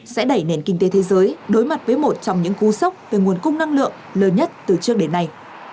sẽ đẩy nền kinh tế thế giới đối mặt với một trong những cú sốc về nguồn cung năng lượng lớn nhất từ trước đến nay